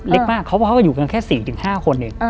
เล็กมากเขาก็อยู่กันแค่๔๕คนเอง